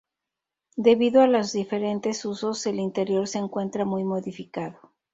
Debido a los diferentes usos el interior se encuentra muy modificado.